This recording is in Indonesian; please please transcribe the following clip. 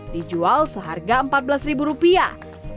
dijual seharga empat belas ribu rupiah